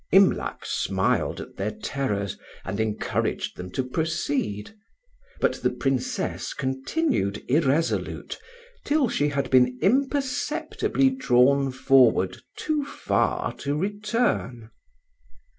Imlac smiled at their terrors, and encouraged them to proceed. But the Princess continued irresolute till she had been imperceptibly drawn forward too far to return.